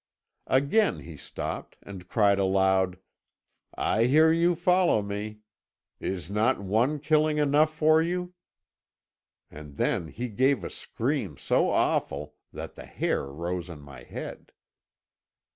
Again he stopped and cried aloud: 'I hear you follow me! Is not one killing enough for you?' And then he gave a scream so awful that the hair rose on my head.